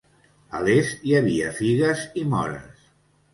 A l'est hi havia figues i mores.